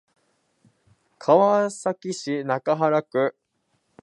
川崎市中原区